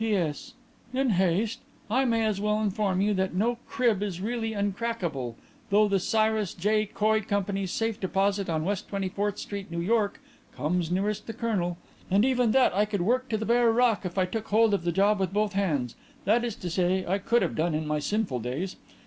"P.S. (in haste). I may as well inform you that no crib is really uncrackable, though the Cyrus J. Coy Co.'s Safe Deposit on West 24th Street, N.Y., comes nearest the kernel. And even that I could work to the bare rock if I took hold of the job with both hands that is to say I could have done in my sinful days.